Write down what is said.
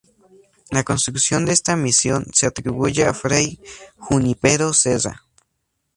La construcción de esta misión se atribuye a fray Junípero Serra.